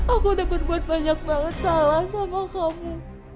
aku udah berbuat banyak banget salah sama kamu